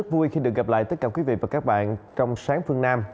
vui khi được gặp lại tất cả quý vị và các bạn trong sáng phương nam